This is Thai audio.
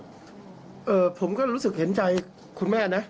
ผมไม่ห่วงผมก็รู้สึกเห็นใจคุณแม่นะ